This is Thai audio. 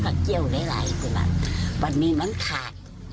ที่แหล็กแต่เห็นนี่ลงซ้า